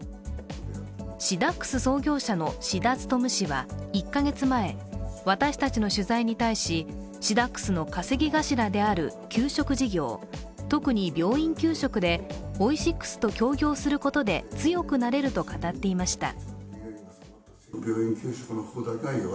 シダックス創業者の志太勤氏は１か月前、私たちの取材に対しシダックスの稼ぎ頭である給食事業、特に病院給食でオイシックスと協業することで強くなれると語っていました。